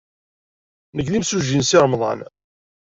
Nekk d imsujji n Si Remḍan.